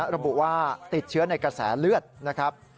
ระบุว่าติดเชื้อในกระแสเลือดนะครับ